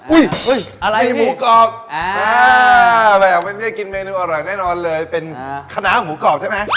อะไรมีหมูกรอบแบบไม่ได้กินเมนูอร่อยแน่นอนเลยเป็นคณะหมูกรอบใช่ไหม